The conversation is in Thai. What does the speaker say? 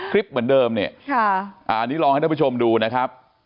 คลิปเหมือนเดิมเนี่ยอันนี้ลองให้ท่านผู้ชมดูนะครับ